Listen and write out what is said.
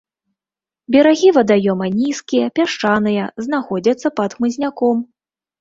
Берагі вадаёма нізкія, пясчаныя, знаходзяцца пад хмызняком.